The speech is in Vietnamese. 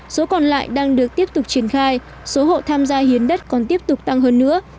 số còn lại đang được tiếp tục triển khai số hộ tham gia hiến đất còn tiếp tục tăng hơn nữa